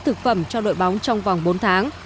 thực phẩm cho đội bóng trong vòng bốn tháng